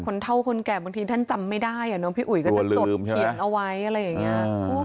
เท่าคนแก่บางทีท่านจำไม่ได้พี่อุ๋ยก็จะจดเขียนเอาไว้อะไรอย่างนี้